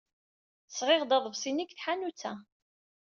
Sɣiɣ-d aḍebsi-nni seg tḥanut-a.